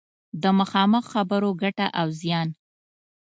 د مخامخ خبرو ګټه او زیان